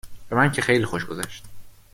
به من که خیلی خوش گذشت